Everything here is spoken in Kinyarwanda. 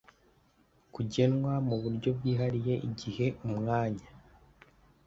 Kugenwa mu buryo bwihariye igihe umwanya